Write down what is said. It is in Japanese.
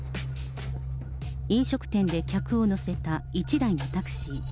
飲食店で客を乗せた１台のタクシー。